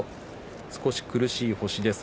少し苦しい星です。